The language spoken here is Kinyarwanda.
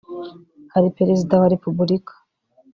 hari Perezida wa Repubulika